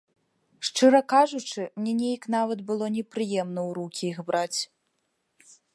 Шчыра кажучы, мне неяк нават было непрыемна ў рукі іх браць.